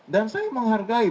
dan saya menghargai